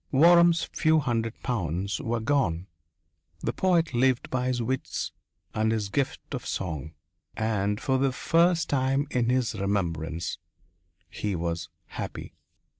Waram's few hundred pounds were gone. The poet lived by his wits and his gift of song. And for the first time in his remembrance he was happy.